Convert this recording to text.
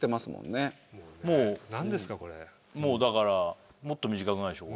もうもうだからもっと短くなるんでしょ。